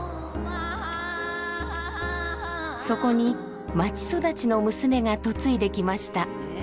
そこに街育ちの娘が嫁いできました。